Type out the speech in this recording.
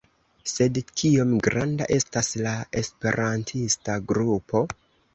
Sed kiom granda estas la esperantista grupo?